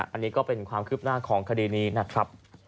อันนี้ก็เป็นความคืบหน้าของคดีนี้นะครับ